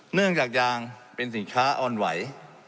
เนื่องจากยางเป็นสินค้าอ่อนไหว